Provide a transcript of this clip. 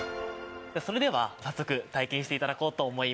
それでは早速体験して頂こうと思います。